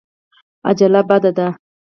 عجله بده ده.